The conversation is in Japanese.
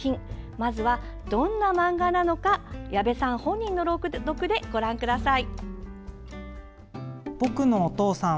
まずは、どんな漫画なのか矢部さん本人の朗読でご覧ください。